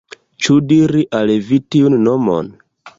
Ĉu diri al vi tiun nomon?